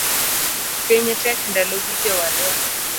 Piny tek ndalogi jowadwa